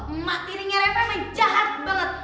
emak tirinya reva emang jahat banget